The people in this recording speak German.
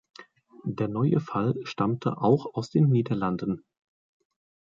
Der neue Fall stammte auch aus den Niederlanden.